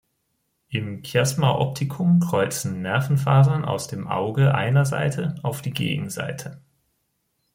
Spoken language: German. Im Chiasma opticum kreuzen Nervenfasern aus dem Auge einer Seite auf die Gegenseite.